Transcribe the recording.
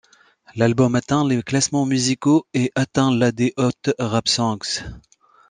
L'album atteint les classements musicaux, et ' atteint la des Hot Rap Songs.